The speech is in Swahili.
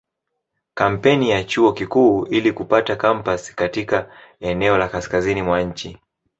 Kampeni ya Chuo Kikuu ili kupata kampasi katika eneo la kaskazini mwa nchi.